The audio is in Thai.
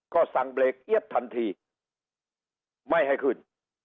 ก็สั่งเบรกเอี๊ยดทันทีไม่ให้ขึ้น